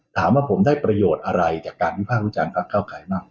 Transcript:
ถามว่าผมได้ประโยชน์อะไรจากการวิภาควิจารณพักเก้าไขมาก